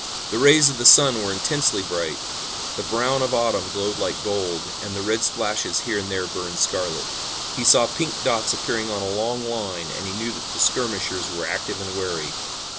The rays of the sun were intensely bright. The brown of autumn glowed like gold, and the red splashes here and there burned scarlet. He saw pink dots appearing on a long line and he knew that the skirmishers were active and wary.